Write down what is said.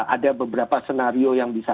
ada beberapa skenario yang bisa